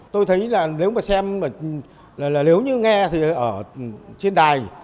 tôi thấy là nếu mà xem là nếu như nghe thì ở trên đài